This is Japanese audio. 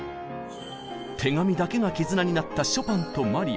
手紙だけが絆になったショパンとマリア。